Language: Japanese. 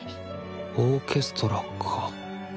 オーケストラか。